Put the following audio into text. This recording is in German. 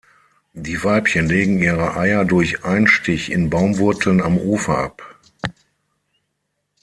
Die Weibchen legen ihre Eier durch Einstich in Baumwurzeln am Ufer ab.